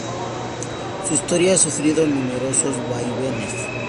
Su historia ha sufrido numerosos vaivenes.